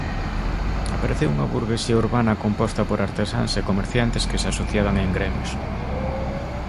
Apareceu unha burguesía urbana composta por artesáns e comerciantes que se asociaban en gremios.